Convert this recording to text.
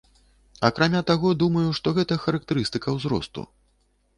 Акрамя таго, думаю, што гэта характарыстыка ўзросту.